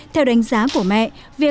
theo đánh giá của mẹ